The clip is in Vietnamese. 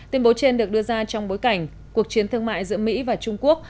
tuyên bố trên được đưa ra trong bối cảnh cuộc chiến thương mại giữa mỹ và trung quốc